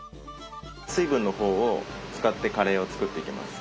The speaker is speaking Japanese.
水分の方を使ってカレーを作っていきます。